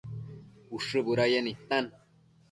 Ushë budayec nidtan